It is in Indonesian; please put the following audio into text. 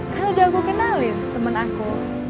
kalau udah aku kenalin temen aku